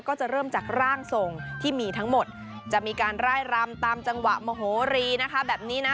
ก็จะเริ่มจากร่างทรงที่มีทั้งหมดจะมีการร่ายรำตามจังหวะโมโหรีนะคะแบบนี้นะ